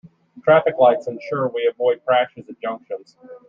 Traffic lights ensure we avoid crashes at junctions.